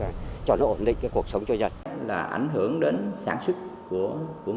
việc chỉ đạo khuyết liệt của các cấp các ngành nhằm bảo vệ tốt hơn